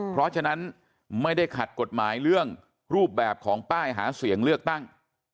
เพราะฉะนั้นไม่ได้ขัดกฎหมายเรื่องรูปแบบของป้ายหาเสียงเลือกตั้ง